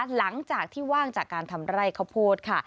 หลังจากที่ว่างจากการทำไร่ข้าวโพดค่ะ